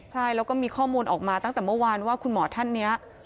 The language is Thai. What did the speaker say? ใช่แล้วก็มีข้อมูลออกมาตั้งแต่เมื่อวานว่าคุณหมอท่านนี้